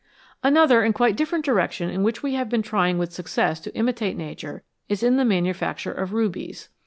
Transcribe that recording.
Another and quite different direction in which we have been trying with success to imitate Nature is in the manufacture of rubies.